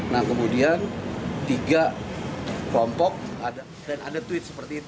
nah kemudian tiga kelompok ada tweet seperti ini